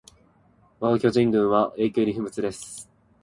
わが巨人軍は永久に不滅です